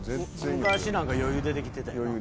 昔なんか余裕でできてたよな。